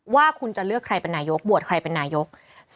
ว่าคุณจะเลือกใครเป็นนายกบวชใครเป็นนายก